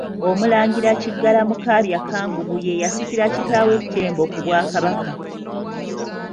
OMULANGIRA Kiggala Mukaabya Kkungubu ye yasikira kitaawe Ttembo ku Bwakabaka.